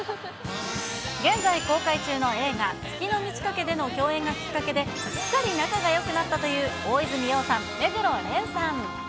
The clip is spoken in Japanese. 現在公開中の映画、月の満ち欠けでの共演がきっかけで、すっかり仲がよくなったという大泉洋さん、目黒蓮さん。